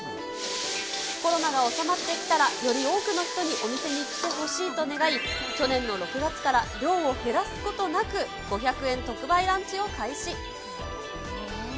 コロナが収まってきたら、より多くの人にお店に来てほしいと願い、去年の６月から、量を減らすことなく、５００円特売ランチを開始。